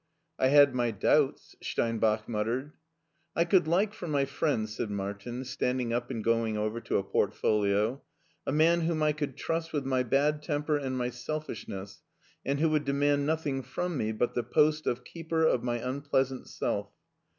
*' I had my doubts," Steinbach muttered. I could like for my friend," said Martin, standing up and going over to a portfolio, "a man whom I could trust with my bad temper and my selfishness, and who would demand nothing from me but the post of keeper of my unpleasant self.